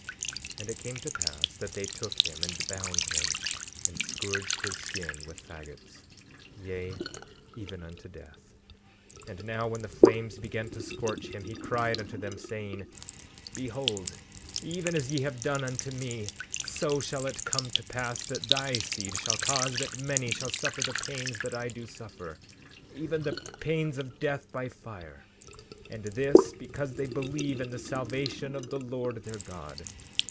17:13 And it came to pass that they took him and bound him, and scourged his skin with faggots, yea, even unto death. 17:14 And now when the flames began to scorch him, he cried unto them, saying: 17:15 Behold, even as ye have done unto me, so shall it come to pass that thy seed shall cause that many shall suffer the pains that I do suffer, even the pains of death by fire; and this because they believe in the salvation of the Lord their God.